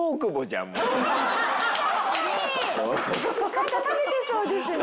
なんか食べてそうですね。